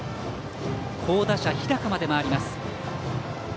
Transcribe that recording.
好打者、日高まで回ります。